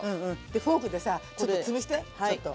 フォークでさちょっとつぶしてちょっと。